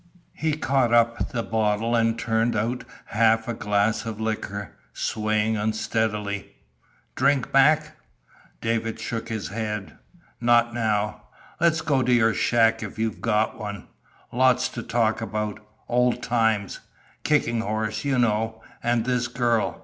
He caught up the bottle and turned out half a glass of liquor, swaying unsteadily: "Drink, Mac?" David shook his head. "Not now. Let's go to your shack if you've got one. Lots to talk about old times Kicking Horse, you know. And this girl?